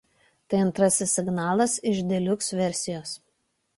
Tai antrasis singlas iš deluxe versijos.